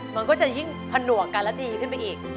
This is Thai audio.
มันก็จะยิ่งผนวกกันและดีขึ้นไปอีก